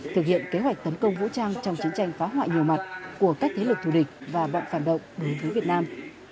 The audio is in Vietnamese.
thực hiện kế hoạch tấn công vũ trang trong chiến tranh phá hoại nhiều mặt của các thế lực thù địch và bọn phản động đối với việt nam